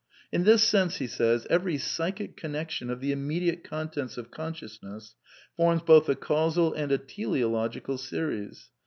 "In this sense," be says, "every psychic connection of the ^ immediate contents of consciousness forms both a causal and a '^" ^ideological series.